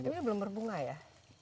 tapi belum berbunga ya